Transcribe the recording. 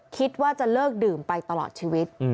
คิดว่าจะเลิกดื่มไปตลอดชีวิต